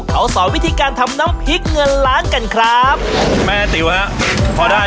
เขาสอนวิธีการทำน้ำพริกเงินล้านกันครับแม่ติ๋วฮะพอได้